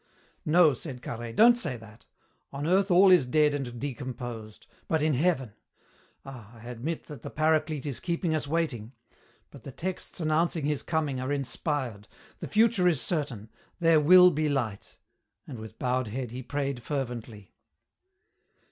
"No," said Carhaix, "don't say that. On earth all is dead and decomposed. But in heaven! Ah, I admit that the Paraclete is keeping us waiting. But the texts announcing his coming are inspired. The future is certain. There will be light," and with bowed head he prayed fervently.